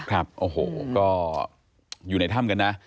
ครับโอ้โหก็อยู่ในถ้ำกันนะ